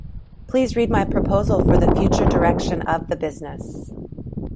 Please read my proposal for the future direction of the business.